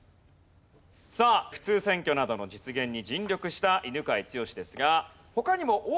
さあ普通選挙などの実現に尽力した犬養毅ですが。